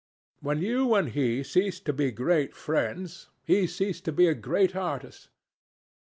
When you and he ceased to be great friends, he ceased to be a great artist.